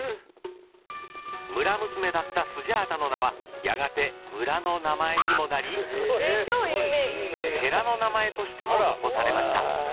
村娘だったスジャータの名はやがて村の名前にもなり寺の名前としても残されました。